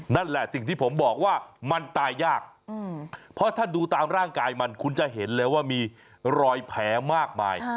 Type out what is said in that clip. นั่นแหละสิ่งที่ผมบอกว่ามันตายยากเพราะถ้าดูตามร่างกายมันคุณจะเห็นเลยว่ามีรอยแผลมากมาย